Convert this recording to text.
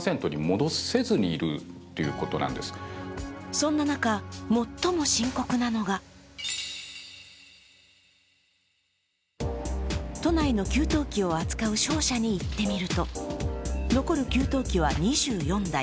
そんな中、最も深刻なのが都内の給湯器を扱う商社に行ってみると残る給湯器は２４台。